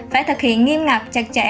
phải thực hiện nghiêm ngạc chặt chẽ